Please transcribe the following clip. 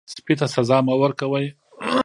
سپي ته سزا مه ورکوئ.